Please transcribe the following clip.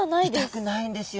痛くないんですよ。